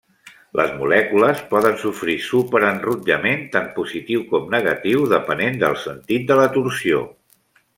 Les molècules poden sofrir superenrotllament tant positiu com negatiu, depenent del sentit de la torsió.